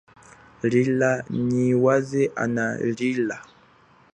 Lila nyi waze ana lila.